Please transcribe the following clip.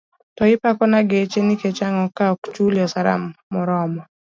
To ipako na geche nikech ango ka ok chuli osara moromo.